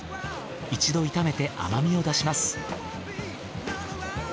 一度炒めて甘みを出します。